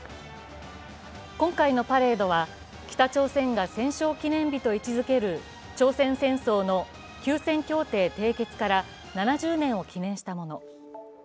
今回のパレードは北朝鮮が戦勝記念日と位置づける朝鮮戦争の休戦協定締結から７０年を記念したもの。